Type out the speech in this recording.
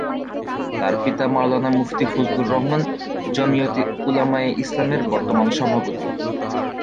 তার পিতা মাওলানা মুফতী ফজলুর রহমান জমিয়ত উলামায়ে ইসলামের বর্তমান সভাপতি।